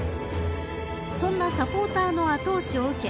そんなサポーターの後押しを受け